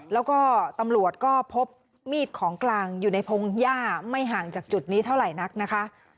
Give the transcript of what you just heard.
แล้วก็ตำรวจก็พบมีดของกลางอยู่ในพงหญ้าไม่ห่างจากจุดนี้เท่าไหร่นักนะคะ